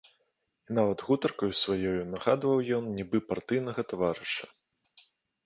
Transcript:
І нават гутаркаю сваёю нагадваў ён нібы партыйнага таварыша.